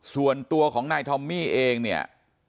ส่วนตัวของนายทอมมี่เองเนี่ย